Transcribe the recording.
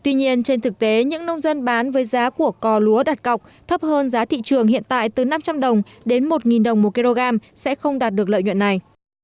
tuy nhiên trên thực tế những nông dân bán với giá của cò lúa đặt cọc thấp hơn giá thị trường hiện tại từ năm trăm linh đồng đến một đồng một kg sẽ không đạt được lợi nhuận này